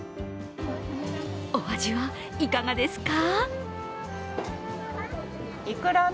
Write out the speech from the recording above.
お味はいかがですか？